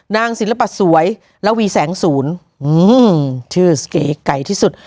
นางศิลปะสวยแล้ววีแสงศูนย์อื้อชื่อเก๋ไก่ที่สุด